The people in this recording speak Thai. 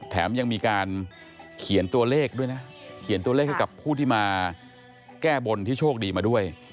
แถมยังมีการเขียนตัวเลขด้วยนะเขียนตัวเลขให้กับผู้ที่มาแก้บนที่โชคดีมาด้วย